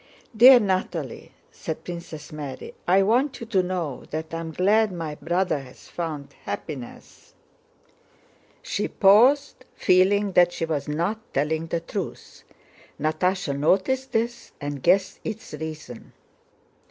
"Dear Natalie," said Princess Mary, "I want you to know that I am glad my brother has found happiness...." She paused, feeling that she was not telling the truth. Natásha noticed this and guessed its reason.